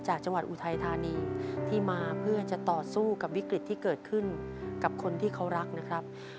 จังหวัดอุทัยธานีที่มาเพื่อจะต่อสู้กับวิกฤตที่เกิดขึ้นกับคนที่เขารักนะครับ